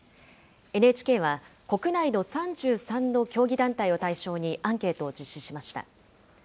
ＮＨＫは、国内の３３の競技団体を対象にアンケートを実施しました。